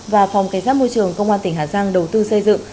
và phòng cảnh sát môi trường công an tỉnh hà giang đầu tư xây dựng